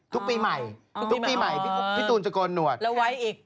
ทุกปีใหม่พี่ตูนจะโกนหนวดแล้วไว้อีก